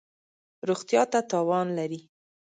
روغتیا ته تاوان لری